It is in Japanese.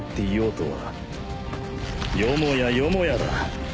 よもやよもやだ。